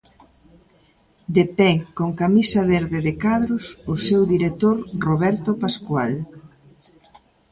De pé, con camisa verde de cadros, o seu director Roberto Pascual.